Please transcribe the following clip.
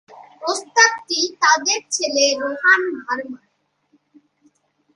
প্রস্তাবটি তাঁদের ছেলে রোহান ভার্মার।